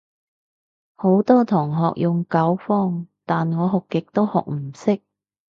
好多同學用九方，但我學極都學唔識